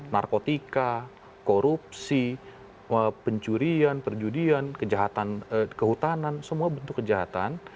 narkotika korupsi pencurian perjudian kejahatan kehutanan semua bentuk kejahatan